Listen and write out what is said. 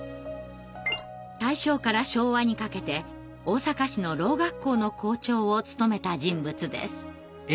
大正から昭和にかけて大阪市の聾学校の校長を務めた人物です。